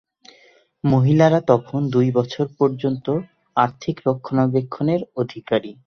মহিলারা তখন দুই বছর পর্যন্ত আর্থিক রক্ষণাবেক্ষণের অধিকারী।